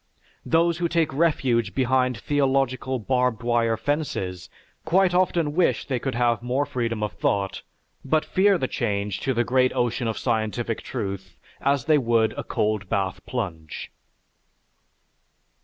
Those who take refuge behind theological barbed wire fences, quite often wish they could have more freedom of thought, but fear the change to the great ocean of scientific truth as they would a cold bath plunge.